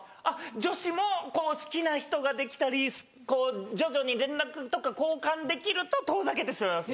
女子も好きな人ができたりこう徐々に連絡とか交換できると遠ざけてしまいます。